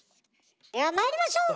ではまいりましょう！